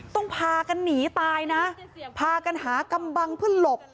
พากันหนีตายนะพากันหากำบังเพื่อหลบ